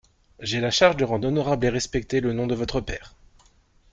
J'ai la charge de rendre honorable et respecté le nom de votre père.